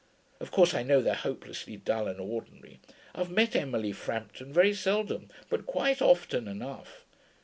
Of course I know they're hopelessly dull and ordinary I've met Emily Frampton very seldom, but quite often enough.